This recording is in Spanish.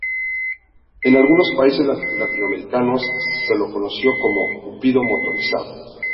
En algunos países latinoamericanos se lo conoció como Cupido Motorizado.